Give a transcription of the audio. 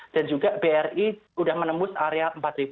dan juga bri sudah menembus area empat lima ratus